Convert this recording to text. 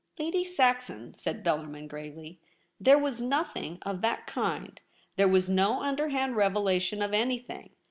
' Lady Saxon,' said Bellarmin gravely^ ' there was nothing of the kind. There was no underhand revelation of anything.